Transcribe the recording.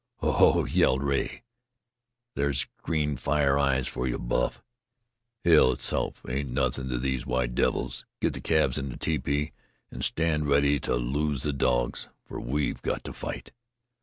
"Ho! Ho!" yelled Rea. "There's green fire eyes for you, Buff. Hell itself ain't nothin' to these white devils. Get the calves in the tepee, an' stand ready to loose the dogs, for we've got to fight."